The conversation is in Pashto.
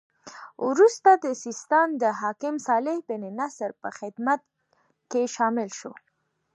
وروسته د سیستان د حاکم صالح بن نصر په خدمت کې شامل شو.